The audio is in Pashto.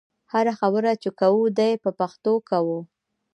هره خبره چې کوو دې په پښتو کوو.